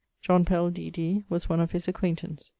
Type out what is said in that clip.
John Pell, D.D., was one of his acquaintance.